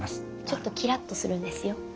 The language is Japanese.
ちょっとキラっとするんですよ。